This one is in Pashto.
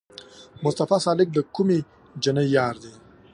مصطفی سالک د کومې جینۍ یار دی؟